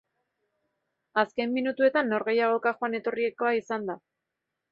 Azken minutuetan norgehiagoka joan-etorrikoa izan da.